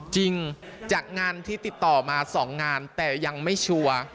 จริงจากงานที่ติดต่อมา๒งานแต่ยังไม่ชัวร์